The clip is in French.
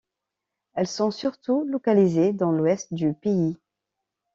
Elles sont surtout localisées dans l'ouest du pays.